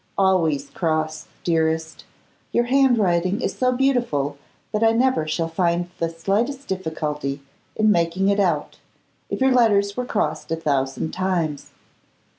Always cross, dearest: your handwriting is so beautiful that I never shall find the slightest difficulty in making it out, if your letters were crossed a thousand times.